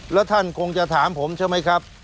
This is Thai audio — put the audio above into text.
แล้วท่านคงจะถามผมใช่ไหมครับ